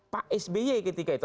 pak sby ketika itu